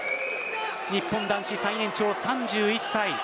日本男子最年長、３１歳。